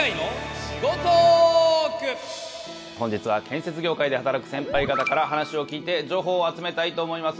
本日は建設業界で働くセンパイ方から話を聞いて情報を集めたいと思います。